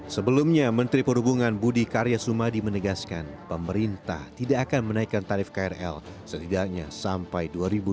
sebelumnya menteri perhubungan budi karya sumadi menegaskan pemerintah tidak akan menaikkan tarif krl setidaknya sampai dua ribu dua puluh